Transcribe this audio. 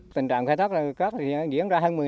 tình trạng khai thác cắt thì diễn ra hơn một mươi năm